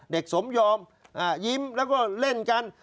สมยอมยิ้มแล้วก็เล่นกัน